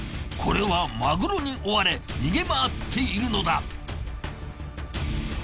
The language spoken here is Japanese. これはマグロに追われ逃げ回っているのだ。